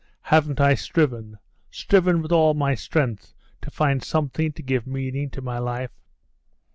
Haven't I striven, striven with all my strength, to find something to give meaning to my life?